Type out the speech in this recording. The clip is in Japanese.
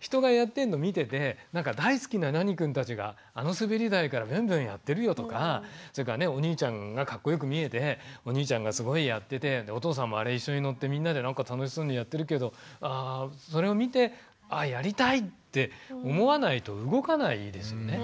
人がやってんの見てて大好きな何くんたちがあのすべり台からビュンビュンやってるよとかそれからお兄ちゃんがかっこよく見えてお兄ちゃんがすごいやっててお父さんもあれ一緒に乗ってみんなでなんか楽しそうにやってるけどそれを見てやりたいって思わないと動かないですよね。